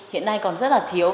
hiện nay còn rất là thiếu